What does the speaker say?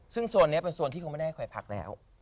ซึ่งโซนนี้เป็นโซนที่เขาไม่ได้คอยพักแล้ว